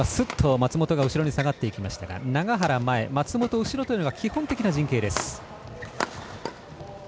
松本が後ろに下がりましたが永原、前、松本、後ろというのが基本的な陣形です。